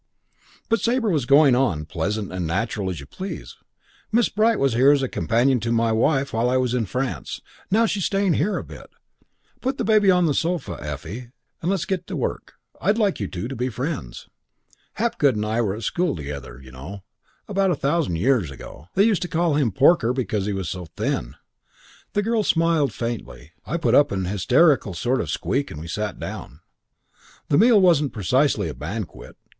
"But Sabre was going on, pleasant and natural as you please. 'Miss Bright was here as companion to my wife while I was in France. Now she's staying here a bit. Put the baby on the sofa, Effie, and let's get to work. I'd like you two to be friends. Hapgood and I were at school together, you know, about a thousand years ago. They used to call him Porker because he was so thin.' "The girl smiled faintly, I put up an hysterical sort of squeak, and we sat down. The meal wasn't precisely a banquet.